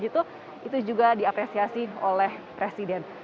itu juga diapresiasi oleh presiden